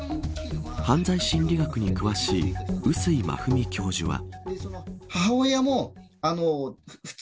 犯罪心理学に詳しい碓井真史教授は。